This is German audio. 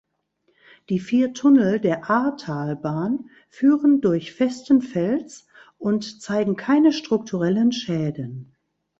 Die vier Tunnel der Aartalbahn führen durch festen Fels und zeigen keine strukturellen Schäden.